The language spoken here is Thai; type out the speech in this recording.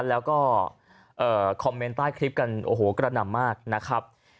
แล้วก็คอมเมนต์ใต้คลิปกันโอ้โหกระหน่ำมากนะครับ